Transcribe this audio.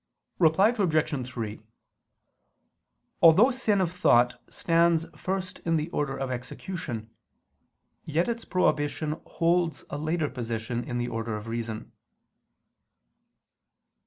Reply Obj. 3: Although sin of thought stands first in the order of execution, yet its prohibition holds a later position in the order of reason.